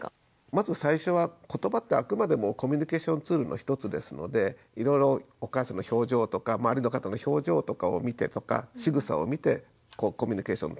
まず最初はことばってあくまでもコミュニケーションツールの一つですのでいろいろお母さんの表情とか周りの方の表情とかを見てとかしぐさを見てコミュニケーション。